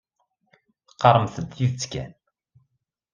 Teqqaremt-d tidet kan.